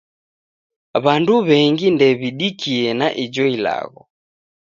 W'andu w'engu ndew'idikie na ijo ilagho.